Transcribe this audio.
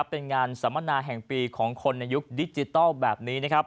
เป็นงานสัมมนาแห่งปีของคนในยุคดิจิทัลแบบนี้นะครับ